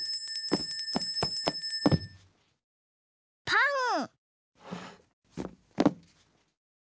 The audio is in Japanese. パン。